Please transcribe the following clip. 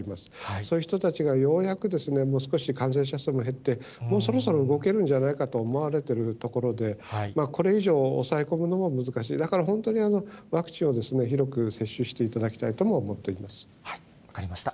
そういう人たちがようやく、少し感染者数も減って、もうそろそろ動けるんじゃないかと思われているところで、これ以上、抑え込むのも難しい、だから本当にワクチンを広く接種していただきたいとも思っており分かりました。